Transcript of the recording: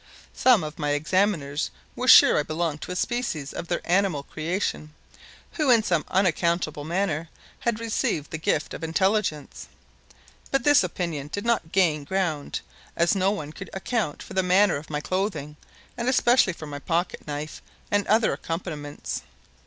Some of my examiners were sure I belonged to a species of their animal creation, who, in some unaccountable manner, had received the gift of intelligence. But this opinion did not gain ground, as no one could account for the manner of my clothing and especially for my pocket knife and other accompaniments.